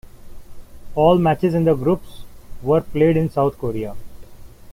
All matches in the group were played in South Korea.